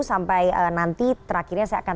sampai nanti terakhirnya saya akan